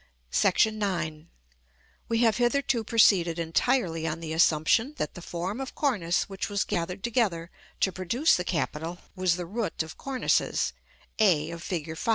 § IX. We have hitherto proceeded entirely on the assumption that the form of cornice which was gathered together to produce the capital was the root of cornices, a of Fig.